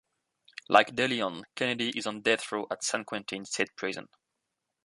Like Deleon, Kennedy is on death row at San Quentin State Prison.